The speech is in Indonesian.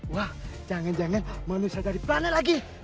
wah jangan jangan manusia dari mana lagi